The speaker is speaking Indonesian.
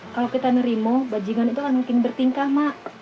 kalau kita nerima bajingan itu akan mungkin bertingkah mak